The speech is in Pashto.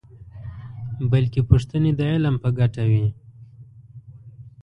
بلکې پوښتنې د علم په ګټه وي.